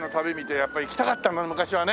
やっぱ行きたかった昔はね